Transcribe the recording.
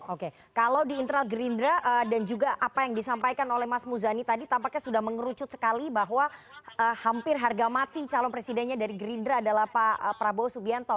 oke kalau di internal gerindra dan juga apa yang disampaikan oleh mas muzani tadi tampaknya sudah mengerucut sekali bahwa hampir harga mati calon presidennya dari gerindra adalah pak prabowo subianto